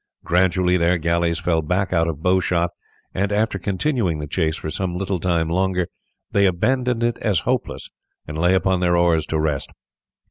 Gradually their galleys fell back out of bow shot, and after continuing the chase for some little time longer they abandoned it as hopeless and lay upon their oars to rest.